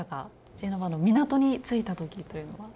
ジェノバの港に着いた時というのは？